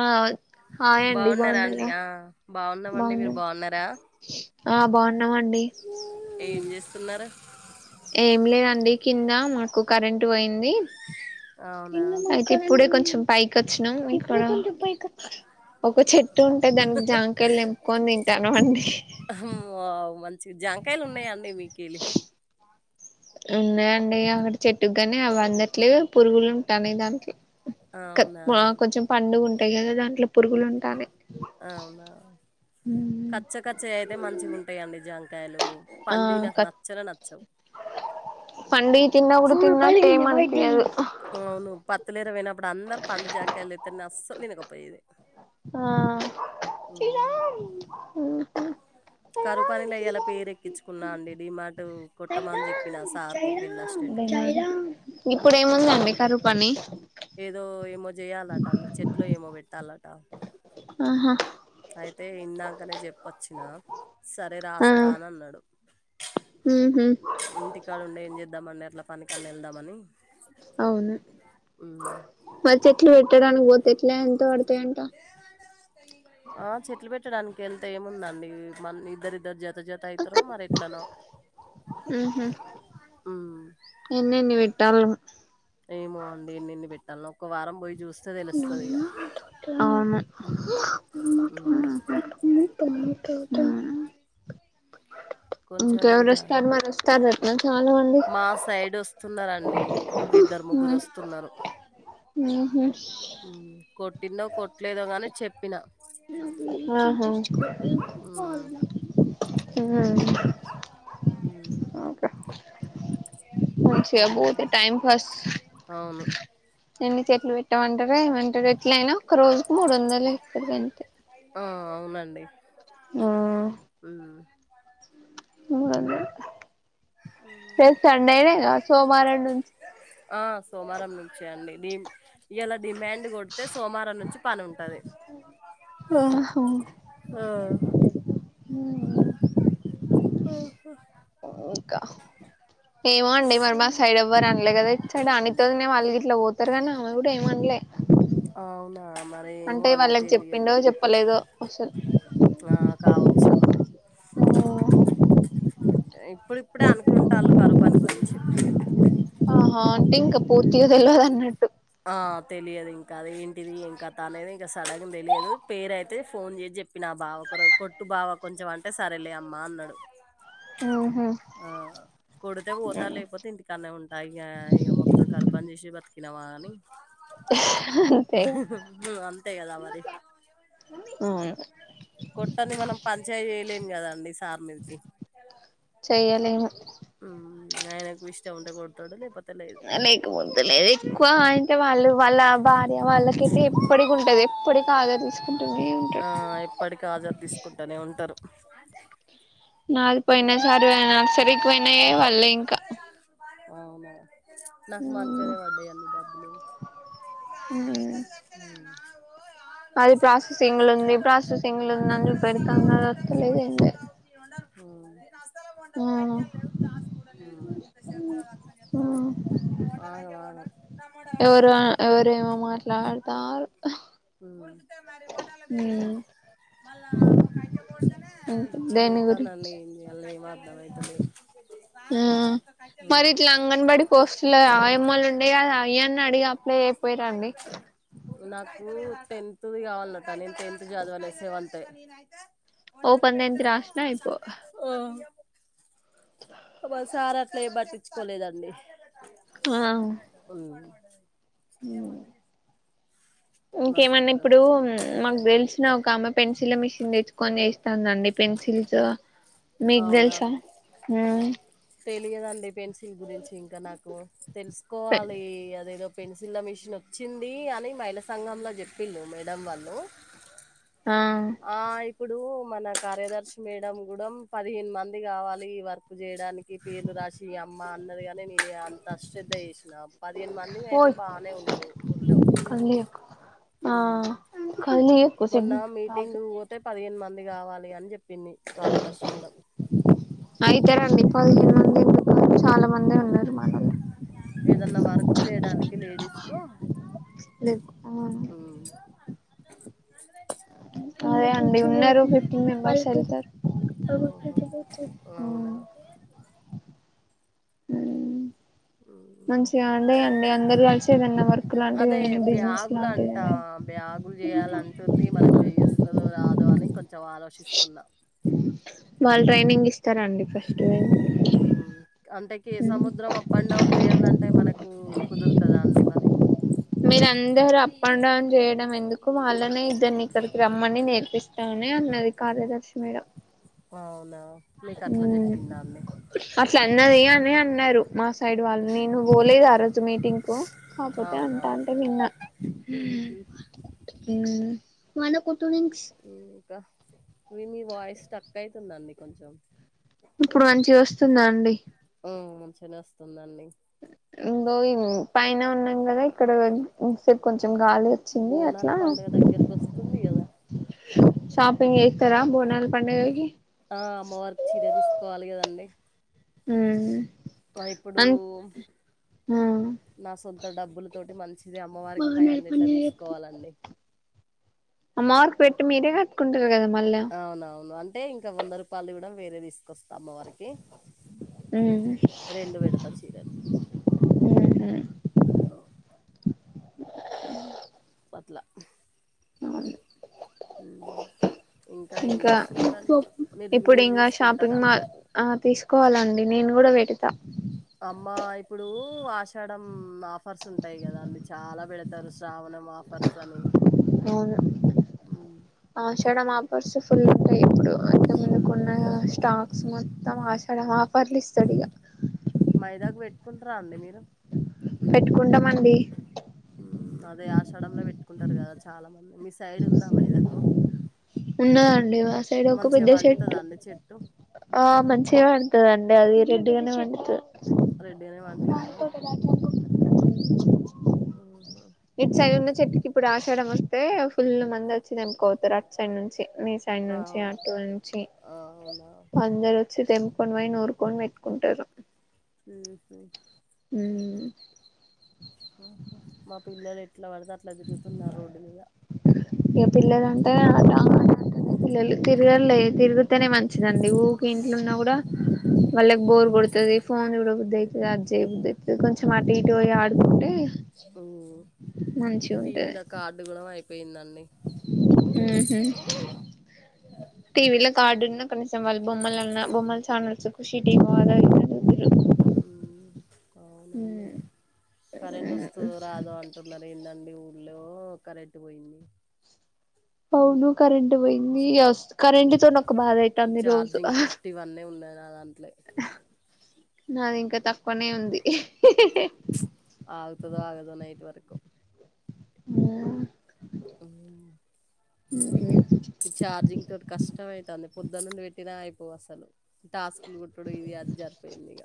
ఆ హాయ్ అండి బాగున్నారా అండి బావున్నారా ఆ బాగున్నామండి మీరు బావున్నాను బాగున్నారా ఆ బాగున్నాము అండి ఏం చేస్తున్నారు ఏమి లేదు అండి కింద మాకు కరెంట్ పోయింది అవునా అయిత్ ఇప్పుడే కొంచెం పైకొచ్చినం ఇక్కడ ఒక చెట్టు ఉంటే దానికి జాంకయలు తెంపుకొని తింటాన్నం అండి హమ్ వావ్ మంచి జాంకాయలు ఉన్నాయాండి మీకెళ్ళి ఉన్నాయి అండి అకడ చెట్టుకు గాని అవి అందట్లేవ్ పురుగులు ఉంటాన్నయి దాంట్లో క అవునా కొంచెం పండుగ ఉంటాయి గదా దాంట్లో పురుగులు ఉంటాన్నాయి అవునా కచ్చ కచ్చయి అయితే మంచిగుంటాయండి జాంకాయలు పండివి నాకు నచ్చనే నచ్చవు పండివి తిన్న గుడా తిన్నట్టు ఎం అనిపియదు అవును పత్తిలేరా పోయినప్పుడు అందరు పండు జాంకాయలు తెత్తారు నేన్ అస్సలు తినకపోయేది ఆ ఉమ్. తినాం కరువు పనీల ఇయ్యాల పేరు ఎక్కిచ్చుకున్న అండి డిమాట్ కొట్ ట్టమని చెప్పిన సార్కి బిల్లసిస్టెంట్కి ఇప్పుడు కొడతా ఏముందండి అన్న కరువు పని ఏదో ఏమో చేయాలట అన్ని చెట్లో ఏమో పెట్టాలట ఆహా అయితే ఇందంకానే చెప్పొచ్చినా సరే రాస్తా అని అన్నడు ఉహూ ఇంటికాడ ఉండి ఏం చేద్దాం అని అట్ల పనికి అన్న వెళ్దామని అవును ఉమ్. [inaudible] మరి చెట్లు పెట్టడానికి పోతే ఎట్లా ఎంత పడతయి అంట ఆ చెట్లు పెట్టడానికి ఎంత ఏముంది అండి మంద్ ఇద్దరిద్దరు జత్ త జత అయితరో మరి ఎట్లనో ఎన్ని ఎన్ని వెట్టలో ఏమో అండి ఎన్నెన్ని పెట్టాల్నో ఒక్క వారం పోయి జుస్ అవును ఉమ్. ట ఉమ్. మా ట ఇంక కొంచెం ఎవరు ఇక వొస్తారు మరి వొస్తారు అట్నా చాలా మంది ఆ సైడ్ వొస్ స్తున్నర్ అండి ఒక ఇద్దరు ముగ్గురు వొస్తున్నరు ఉహు కొట్టిందో కొట్టలేదో గాని చెప్పిన ఆహా ఓకే మంచిగా పోతే టైం పాస్ ఆహ్ ఆహ్ అవ్ను ఎన్ని చెట్లు పెట్టామంటారా ఏమంటారు ఎట్లైనా ఒక రోజుకి మూడోందలు ఇస్తారు గంతే ఆ అవ్నండి ఆహ్ అదే రేపు సండేన్నే గద సోమవారం నుం ఆ సోమవారం నుంచే అండి ఇయాల డిమాండ్ కొడ్తే సోమవారం నుంచి పనుంటది ఆహా హు ఆ, ఆహా ఏమో అండి మరి మా సైడ్ ఎవ్వరు అనలే కదా ఇట్ సైడ్ అనితోదినే అలు గిట్లా పోతు రన ఆవిడే మన్లే అవ్ అంటే వాళ్ళకి చెప్పిండో చెప్పలేదో అసల్ ఆ కావొచ్చు ఇప్పుడిప్పుడే అనుకుంటాళ్ళు కరుపను గురించి ఆహా అంటే ఇంకా పూర్తిగా తెలివదన్నట్టు ఆ తెలియదింకా అది ఏంటిది ఏం కతనేది ఇంకా సడన్గ తెలియదు పేరైతే ఫోన్ చేసి చెప్ చప్పినా బావ కొర కొట్టు బావ కొంచెం అంటే సరేలేమ్మా అన్నాడు ఆహా ఆ కొడ్తే పోతాలేకపోతే ఇంటి కానే ఉంటాయి ఇగ ఇగ మొత్తం కరిపని చేసి బత్కినామాని అంతే హుహుహ్ అంతే గదా మరి అవును కొట్టన్ది మనం పంచాయ్ చేయలేం కదండి సార్ మీద్కి చెయ్యలేము ఉహ్ ఆయ్నకు ఇష్టం ఉంటే కొడ్తడు లే లేకపొతే లేదు ఎక్కువ అయితే వాళ్ళు వాళ్ళ భార్య వాళ్ళకైతే ఎప్పటికుంటది ఎప్పటి కాదా తీస్కుంటుంనే ఉంటారు ఇప్పటికి హాజరు తీస్కుంటూనే ఉంటారు నాకు పోయిన సారి నర్సరీకి పోయినాయే వళ్ళే ఇంకా అవ్ను నాకు మంచనే వాడ్డై అన్ని డబ్బులు ఉహ్ ఉహ్ అది ప్రాసెసింగ్లుంది ప్రాసెసింగ్లుంది అని చూపెడ్తాం కది అస్తనేలేదండి ఊ ఊ ఎవరు ఆగంమాగం ఎవరేమో మాట్లాడతారు ఊ పిచ్చి దేని లేత్తాందడి గురించి ఏం జేయాలో ఏం అర్ధమైతలే ఆ మరి ఇట్లా అంగన్బడి పోస్ట్ ల అయమ్మలుండేవి గదా అవ్యాని అడిగి ఆ పో నాకు టెన్త్ ది కావాలన్నట నేను టెన్త్ చదవలే సెవంతే ఓపెన్ టెన్త్ రాసిన అయిపో ఆ మా సార్ అట్లేం పట్టిచ్చుకోలేదండి ఆ ఉమ్ ఏమండీ ఇంకేమన్నా ఇప్పుడూ మాకు తెల్సిన ఒక ఆమె పెన్సిల్ మిషన్ తెచ్చు కొని జేస్తాందండి పెన్సిల్సు మీకు అవునా దెల్సా ఊ తెలియదండి పెన్సిల్ గురించి ఇంకా నాకు తెలుసుకోవాలి అదేదో పెన్సిల్ల మిషన్ ఒచ్చింది అని మహిళ సంఘంలో చెప్పిళ్ళు మేడం వాళ్ళు ఆ ఆ ఇప్పుడూ మన కార్యదర్శి మేడం గూడం పదిహేను మంది గావాలి ఈ వర్క్ చేయడాని ఈ పేర్లు రాశి అమ్మ అన్నది గానీ నేనే అంత శ్రద్ధ జేసినాం పదిహేను మందిమి అయితే ఓయ్ బానే ఉంటు ఊర్లో కానీ యూ మొన్న మీటింగుకు వోతె పదిహేను మంది గావాలి అని జెప్పింది క్వార్యదర్శి మేడం అయితరండి పదిహేను మంది చాలా మంది ఉన్నారు ఉమ్ మనోళ్ళు ఏదన్నా వర్క్ జేయడానికి లేడీస్ కు మీకు ఆ ఊ అదే అండి ఉన్నరు ఫిఫ్టీన్ మెంబెర్స్ అయితరు ఓహో ఊ అవునా ఊ ఉమ్. మంచిగా ఉండయి అండి అందరూ గలిసి ఏదన్నా వర్క్ లాంటిది అదే ఏదన్నా బిజినెస్ బ్యాగులు లాంటిది అంట ఏదన్నా బ్యాగులు జేయాలంటుంది మనకు జేయ్యొస్తదో రాదో అని కొంచెం ఆలోచిస్తున్నా వాళ్ళు ట్రైనింగ్ ఇస్తారండి ఫస్టు ప్ప అండ్ డౌన్ జెయ్యాలంటే మనకు కుదుర్తదా అండి మరి మీరందరూ అప్ అండ్ డౌన్ జెయ్యడం ఎందుకు వాళ్ళనే ఇద్దరిని ఇక్కడికి రమ్మని నేర్పిస్ తానే అన్నది కార్యదర్శి మేడ ఓ ఔనా మీకు అట్లా జెప్పిందన్ అట్లన్నది అని అన్నారు మా సైడ్ వాళ్ళు నేను వోలేదు ఆ రోజు మీటింగ్ కు కాపోతే అవునా అంటాంటే విన్నా మ్మ్ ఉమ్ ఊ ఇంకా మి మీ వాయిస్ స్టక్ అయితుందండి కొంచెం ఇప్పుడు మంచిగా వస్తుందా అండి ఊ మంచిగనే వస్తుందండి ఇంగోద్ పైన ఉన్నం కదా ఇక్కడ ఇంత సేపు కొంచెం గాలి వచ్చింది బోనాల అట్లా పండగ దగ్గరికొస్తుంది గదా షాపింగ్ చేత్తరా బోనాల పండుగకి ఆ అమ్మవారిక్ చీర తిస్కోవాలి కదండి ఉమ్ ఆ ఇప్పుడు అన్ ఆ నా సొంత డబ్బుల తోటి మంచిది అమ్మవారికి ఫై బోనాల హండ్రెట్ లా పండుగకి తీసుకోవాలండి అమ్మవారికి పెట్టి మీరే కట్టుకుంటరు కదా మళ్ళ అవునవును అంటే ఇంకా వంద రూపాల్ది గుడా వేరే దీస్కొస్తా అమ్మవారికి ఉమ్ రెండు పెడుతా చీరలు ఉహు మ్ అట్ల ఔన్ ఏం ఇంకా జేస్తున్నారండి? మీరు ఇప్పుడు మీరు ఇంగా షాపింగ్ తీసుకుంటారా? మాల్ ఆహ్ తీసుకోవాలండి నేను కుడా పుడుతా అమ్మా ఇప్పుడూ ఆషాడం ఆఫర్స్ ఉంటాయి కదా అండి చాలా పెడుతారు శ్రావనమఫ్ ఫర్స్ అని అవును హ్మ్. ఆషాడం ఆఫర్స్ ఫుల్ ఉంటాయి ఇప్పుడు ఇంత హ్మ్. ముందుకుకున్న స్టాక్స్ మొత్తం ఆశడం ఆఫర్ల ఇస్తాడు ఇగ మైదాక్ పెట్టుకుంటారా అండి మీరు పెట్టుకుంటమండీ మ్ అదే ఆషాడంల పెట్టుకుంటారు కదా చాలా మంది మీ సైడ్ ఉందా మైదాకు ఉన్న దండి మా సైడ్ ఒక మంచిగా పెద్ద పండుతదా చెట్టు అండి చెట్టు ఆ మంచిగా పండుతుదండి అది రెడ్ గానే పండుతది రెడ్ గానే పండుతదా మ్ మ్ హు ఇటు సైడ్ ఉన్న చెట్టుకి ఇప్పుడు ఆశడం వస్తే ఫుల్ మంది వచ్చి తెంపుకపొతారు అటు సైడ్ నుంచి మీ స్ సైడ్ ఆ నుంచి అటు నుంచి ఆ అవునా అందరు వచ్చి తెెంపుకొని పోయి నూరుకొని పెట్టుకుంటారు మ్ హు మ్ అహ మా పిల్లలు ఎట్లా పడితే అట్లా తిరుగుతున్నారు రోడ్డు మీద ఇగ పిల్లలు అంటే ఆట అట్ పిల్లలు తిరుగలే తిరిగితేనే మంచిదండి ఊరికే ఇంట్లున్నా కూడా వాళ్ళకి బోర్ కొడుతది ఫోన్ చూడ బద్దయితది అది చేయబుద్ది అయితది కొంచెం అటు ఇటు పోయి ఆడుకుంటే మ్ మంచిగా టీవీల కార్డు కూడం అయిపోయిందండి హ్మ్ హు టీవిల కాడ్డున్న కనీసం వాళ్ళు బొమ్మలన్నా బొమ్మల చానెల్స్ ఖుషి టీవో అదో ఎదో హ్మ్ అవునండి కరెంట్ వస్తదొ రాదొ అన్ టున్నారు ఏందండి ఊళ్ళో కరెంట్ పోయింది అవును కరెంట్ పోయింది వస్ కరెంట్ తోని ఒక బాధ అయితుంది రోజు ఛార్జింగ్ ఆహ్ ఫిఫ్టీ వన్నే ఉన్నది నా దాంట్లే ఆహ్ నాది ఇంకా తక్కువనే ఉంది ఆగుతదో ఆగదో నైట్ వరకు ఏమో హ్మ్ చార్గింగ్ తొని కష్టం అయితాంది పొద్దటి నుండి పెట్టినా అయిపోవు అసలు టాస్కులు కుట్టుడు ఇది అది జరిపోయింది ఇగ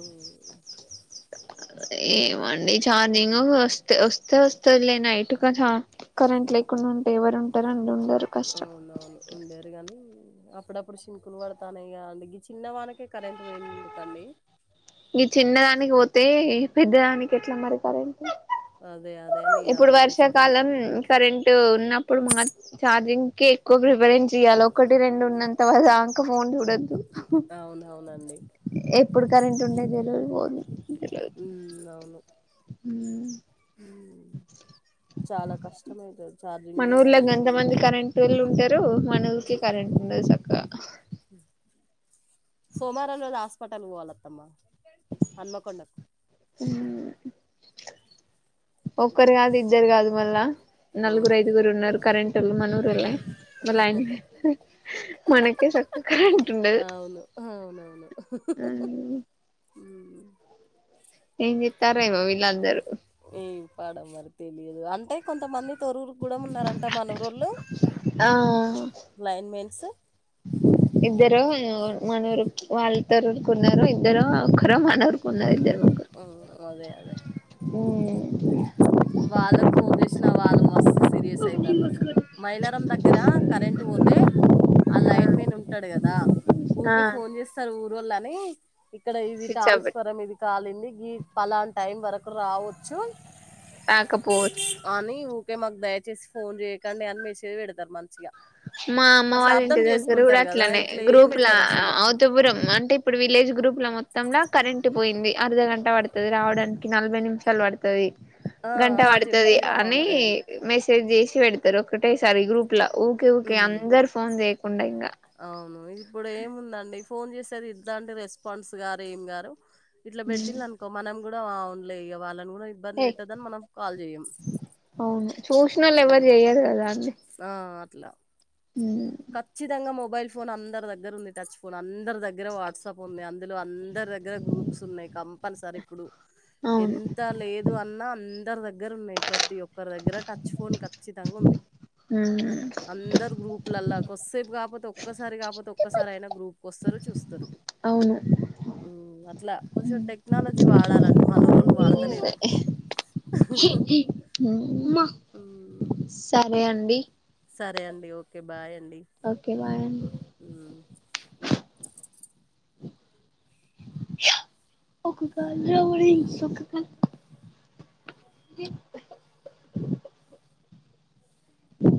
ఉమ్ ఏమండి చార్జింగ్ వస్తు వస్తే వస్తదిలె నైటు క చ కరెంట్ లేకుండ ఉ అవునవును ఉండేది గాని అప్పుడప్పుడు చినుకులు పడతానయి ఇగ ఈ చిన్నవానకే కరెంట్ పోయిందెందుకండి ఈ చిన్నదానికి పోతే పెద్దదానికి ఎట్ల మరి కరెంట్ అదే అదే నేను ఇప్పుడు ఆలోచిస్తున్నా వర్షాకాలం కరెంట్ ఉన్నప్పుడు మా ఛార్జింగ్ కి ఎక్కువ ప్రిఫరెన్స్ ఇయ్యాలి ఒకటి రెండు ఉన్నంత వరదాంక ఫోన్ చూడొద్దు అవునవునండి ఎప్పుడు కరెంట్ ఉండేది తెల్వది పోయెది తెల్వది హ్మ్ అవును హ్మ్ హ్మ్ చాలా కష్టం అయితది ఛార్జింగ్ మన ఊర్లో ఉండాలి గంత ఫోన్ లో మంది కరెంటోళ్ళు ఉంటరు మన ఊరికే కరెంట్ ఉండదు సక్కగా హ సోమవారం రోజు హాస్పటల్ పోవాలత్తమ్మా హన్మకొండకు ఉ ఒక్కరు కాదు ఇద్దరు కాదు మళ్ళా నలుగురు ఉమ్ ఐదుగురు ఉన్నరు కరెంట్ వాళ్ళు మనూరోళ్లే లైన్ మెన్ మనకే చక్కగ కరెంట్ ఉండదు అవును అవునవును హ్మ్ ఏం చెత్తారో ఏమో వీళ్లందరూ ఎం పాడో మరి తెలియదు అంటే కొంతమంది తొర్రూర్ గుడం ఉన్నరంట మనూరోళ్లు ఆ లైన్ మెన్స్ ఇద్దరొ మన ఊరు వాళ్ళు తొర్రూర్కు ఉన్నరు ఇద్దరొ ఒక్కరో మన ఊర్కు ఉన్నరు ఇద్దరు ముగ్గురు ఉమ్ అదే అదే వాళ్ళకి ఫోన్ చేశ్నా వాళ్ళు మస్త్ స్ సీరియస్ అయితాళ్ళు ముగ్గురు అసలు మైలారం దగ్గర కరెంట్ పోతే ఆ లైన్ మేన్ ఉంటడు గదా ఆ ఊకే ఫోన్ చేస్తరు ఊరోళ్లు అని ఇక్కడ ఇవి స్విచ్ ఆఫ్ పెట్టు టాన్స్ఫరం ఇది కాలింది గి పలాన్ టైం వరకు రావొచ్చు రాకపోవచ్చు అని ఊకే మాక్ దయచేసి ఫోన్ జెయకండి అని మేసేజ్ పెడతరు మంచిగా మా అమ్మ అట్లా వాళ్ళ ఇంటి అర్థం దగ్గర గుడ చేసుకుంటారు కదా అట్లనే ఇట్లా ఏం గ్రూప్లా పెట్టారు అసలు అ తుపురం అంటే ఇప్పుడు విలేజ్ గ్రూప్ల మొత్తంల కరెంటు పోయింది అర్ధగంట పడుతది రావడానికి నలభై నిమిష షాలు పడతది ఆ గంట అట్లా చెప్తే పడతది అని బాగుంటది మెసేజ్ జేషి పెడతరు ఒకటేసారి గ్రూప్ ల ఊకె ఊకె ఉమ్. అందరు ఫోన్ చేయకుండా ఇంగా అవును ఇప్పుడు ఏముంది అండి ఫోన్ చేస్తే [unintelligible] అండి రెస్పాన్స్ గారు ఏమి గారు ఇట్ల బెట్టిందినుకో మనం గుడా ఆ అవునులే ఇగ వాళ్ళని గుడా ఇబ్ బ్బంది ఏ వెట్టొద్దు అని మనం కాల్ చెయ్యం అవును చూసినోళ్ళు ఎవరు చెయ్యరు ఆ అట్లా ఉమ్ ఖచ్చితంగా మొబైల్ ఫోన్ అందరి దగ్గర ఉంది టచ్ ఫోన్ అందరి దగ్గర వాట్సాప్ ఉంది అందులో అందరి దగ్గర గ్రూప్ ప్స్ ఉన్నాయి కంపల్సరీ ఇప్పుడు అవును ఎంత లేదు అన్న అందరి దగ్గర ఉన్నాయి. ప్రతి ఒక్కరి దగ్గర టచ్ ఫోన్ ఖచ్చితంగా ఉంది. హ్ అందరు గ్రూపులల్లా కొసేపు కాకపోతే ఒక్కసారి కాపోతే ఒక్కసారి అయినా గ్రూప్ కి వస్తారు చూస్తరు అవును అట్లా కొంచెం టెక్నాలజీ వాడాలి అండి మన ఊరోళ్లు వాడ ఉమ్మా ఉమ్, సరే అండి సరే అండి ఓకే బాయ్ అండి ఓకే బాయ్ అండి ఉమ్. ఒక బైరవుని [unintelligible]